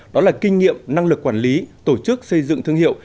đó là kinh nghiệm năng lực quản lý tổ chức xây dựng thương hiệu